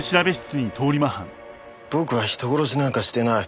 僕は人殺しなんかしてない。